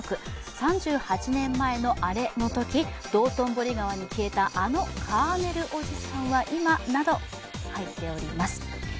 ３８年前のアレのとき、道頓堀川に消えたあのカーネルおじさんは今、など入っております。